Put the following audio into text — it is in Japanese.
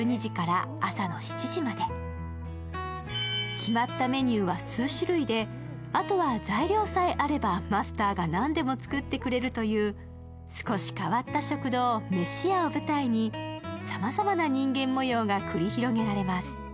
決まったメニューは数種類で、あとは材料さえあればマスターが何でも作ってくれるという少し変わった食堂、めしやを舞台にさまざまな人間模様が繰り広げられます。